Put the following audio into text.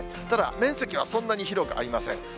ただ面積はそんなに広くありません。